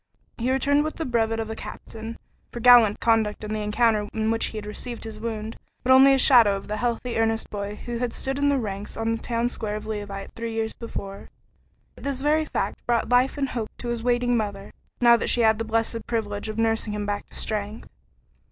He returned with the brevet of a captain, for gallant conduct in the encounter in which he received his wound, but only a shadow of the healthy, earnest boy who had stood in the ranks on the town square of Leauvite three years before; yet this very fact brought life and hope to his waiting mother, now that she had the blessed privilege of nursing him back to strength.